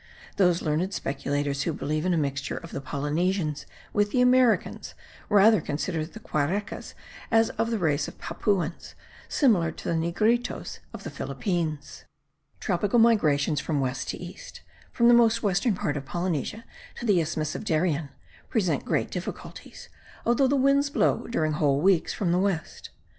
Those learned speculators who believe in a mixture of the Polynesians with the Americans rather consider the Quarecas as of the race of Papuans, similar to the negritos of the Philippines. Tropical migrations from west to east, from the most western part of Polynesia to the Isthmus of Darien, present great difficulties, although the winds blow during whole weeks from the west.